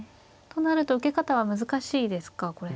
となると受け方は難しいですかこれ。